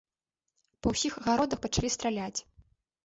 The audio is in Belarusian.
Па ўсіх агародах пачалі страляць.